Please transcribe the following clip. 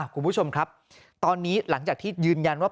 คุณผู้ชมครับตอนนี้หลังจากที่ยืนยันว่า